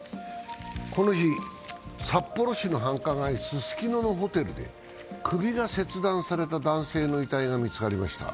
この日、札幌市の繁華街・ススキノのホテルで首が切断された男性の遺体が見つかりました。